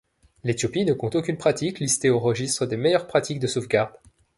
L'Éthiopie ne compte aucune pratique listée au registre des meilleures pratiques de sauvegarde.